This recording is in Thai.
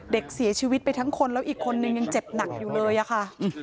เด็กเสียชีวิตไปทั้งคนแล้วอีกคนนึงยังเจ็บหนักอยู่เลยอะค่ะ